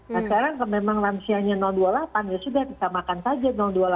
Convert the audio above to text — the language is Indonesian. nah sekarang kalau memang lengsianya dua puluh delapan ya sudah bisa makan saja dua puluh delapan